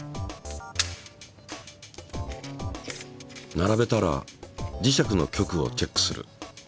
並べたら磁石の極をチェックする。